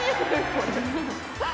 これ。